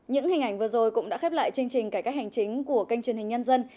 những hình ảnh vừa rồi cũng đã khép lại chương trình cải cách hành chính của kênh truyền hình nhân dân